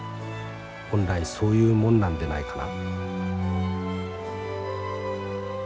本来そういうもんなんでないかな』」。